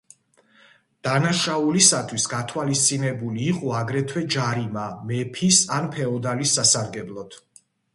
დანაშაულისათვის გათვალისწინებული იყო აგრეთვე ჯარიმა მეფის ან ფეოდალის სასარგებლოდ.